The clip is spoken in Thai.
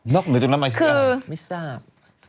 นอกเหนือจากตรงนั้นไม่ทราบหรือเปล่าคือไม่ทราบ